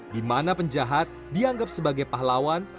di mana penjahat dianggap sebagai pahlawan